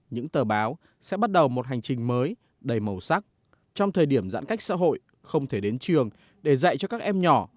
những tờ báo sẽ bắt đầu một hành trình mới đầy màu sắc trong thời điểm giãn cách xã hội không thể đến trường để dạy cho các em nhỏ